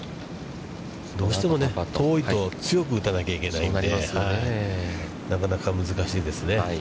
どうしても遠いと、強く打たないといけないので、なかなか難しいですね。